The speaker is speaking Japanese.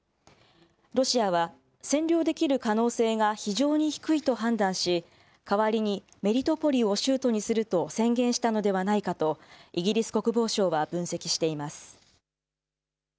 ロシアは占領できる可能性が非常に低いと判断し、代わりにメリトポリを州都にすると宣言したのではないかと、イギリス国防省は分析しています。